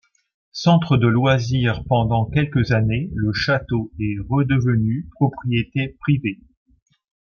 Centre de loisirs pendant quelques années le château est redevenu propriété privée.